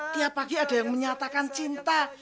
tiap pagi ada yang menyatakan cinta